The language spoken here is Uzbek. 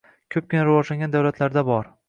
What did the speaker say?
Ko’pgina rivojlangan davlarlarda bor